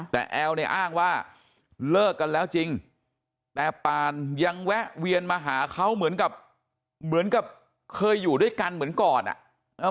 แต่แอลเนี่ยอ้างว่าเลิกกันแล้วจริงแต่ปานยังแวะเวียนมาหาเขาเหมือนกับเหมือนกับเคยอยู่ด้วยกันเหมือนก่อนอ่ะ